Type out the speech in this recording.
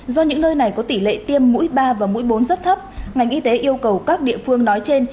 do những nơi này có tỷ lệ tiêm mũi ba và mũi bốn rất thấp ngành y tế yêu cầu các địa phương nói trên